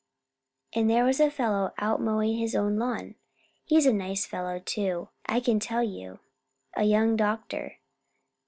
And there was a fellow out mowing his own lawn. He's a nice fellow, too, I can tell you a young doctor."